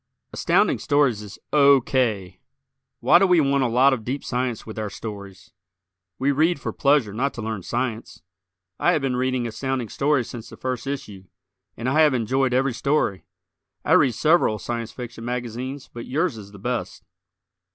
Astounding Stories is O. K. Why do we want a lot of deep science with our stories? We read for pleasure not to learn science. I have been reading Astounding Stories since the first issue, and I have enjoyed every story. I read several Science Fiction magazines but yours is the best.